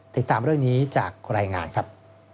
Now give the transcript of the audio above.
ติดตามเรื่องนี้จากรายงานครับ